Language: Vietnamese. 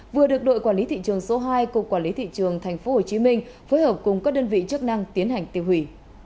vừa được đội quản lý thị trường số hai cục quản lý thị trường tp hcm phối hợp cùng các đơn vị chức năng tiến hành tiêu hủy